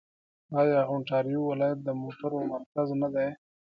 آیا اونټاریو ولایت د موټرو مرکز نه دی؟